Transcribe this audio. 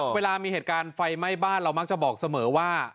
เวลามีเหตุการณ์ไฟไหม้บ้านเรามักจะบอกเสมอว่า